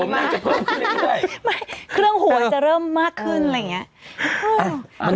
ไม่เครื่องหัวจะเริ่มมากขึ้นอะไรอย่างนี้